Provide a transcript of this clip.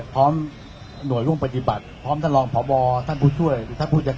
พร้อมหน่วยร่วมปฏิบัติพร้อมท่านรองพบท่านผู้ช่วยหรือท่านผู้จัด